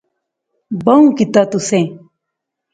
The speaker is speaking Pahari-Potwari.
بہوں کیتا تسیں